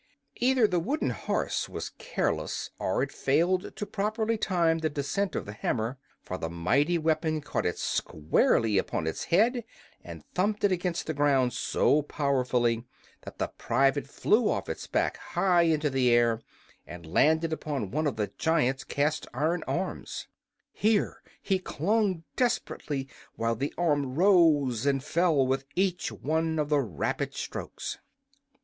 Either the wooden horse was careless, or it failed to properly time the descent of the hammer, for the mighty weapon caught it squarely upon its head, and thumped it against the ground so powerfully that the private flew off its back high into the air, and landed upon one of the giant's cast iron arms. Here he clung desperately while the arm rose and fell with each one of the rapid strokes.